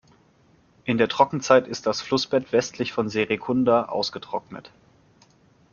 In der Trockenzeit ist das Flussbett westlich von Serekunda ausgetrocknet.